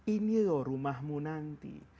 inilah rumahmu nanti